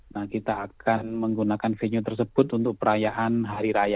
nah kita akan menggunakan venue tersebut untuk perayaan hari raya